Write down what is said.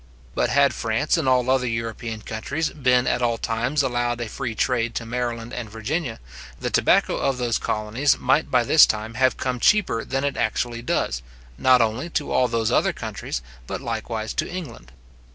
But had France and all other European countries been at all times allowed a free trade to Maryland and Virginia, the tobacco of those colonies might by this time have come cheaper than it actually does, not only to all those other countries, but likewise to England.